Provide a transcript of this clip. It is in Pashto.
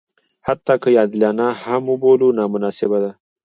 حتی که یې عادلانه هم وبولو نامناسبه ده.